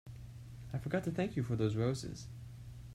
I forgot to thank you for those roses.